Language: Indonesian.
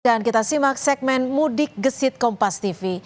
dan kita simak segmen mudik gesit kompas tv